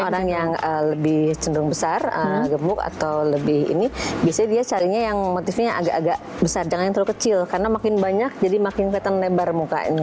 orang yang lebih cenderung besar gemuk atau lebih ini biasanya dia carinya yang motifnya agak agak besar jangan terlalu kecil karena makin banyak jadi makin lebar mukanya